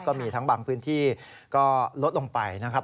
ก็มีทั้งบางพื้นที่ก็ลดลงไปนะครับ